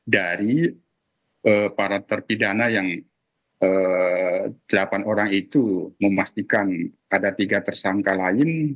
dari para terpidana yang delapan orang itu memastikan ada tiga tersangka lain